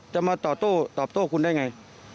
จะมาตอบโต้คุณได้ไง